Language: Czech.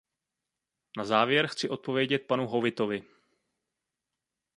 Na závěr chci odpovědět panu Howittovi.